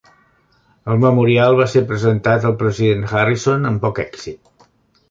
El Memorial va ser presentat al President Harrison amb poc èxit.